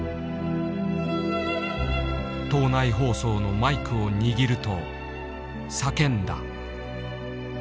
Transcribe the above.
島内放送のマイクを握ると叫んだ。